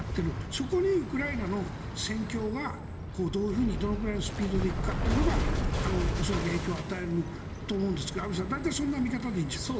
そこにウクライナの戦況がどういうふうにどのくらいのスピードで行くかというのが恐らく影響を与えると思うんですが畔蒜さん、大体そんな見方でいいんでしょうか。